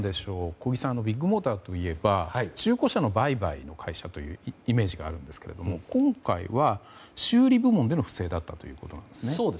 小木さんビッグモーターといえば中古車の売買の会社というイメージがあるんですけど今回は修理部門での不正だったということなんですね。